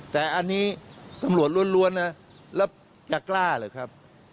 แต่อันนี้ตำรวจล้วนนะแล้วจะกล้าหรือครับ